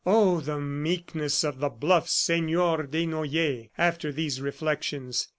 Oh, the meekness of the bluff Senor Desnoyers after these reflections!